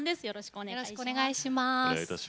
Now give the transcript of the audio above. よろしくお願いします。